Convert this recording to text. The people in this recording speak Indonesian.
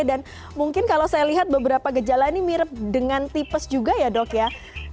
dan mungkin kalau saya lihat beberapa gejala ini mirip dengan tipes juga ya dok ya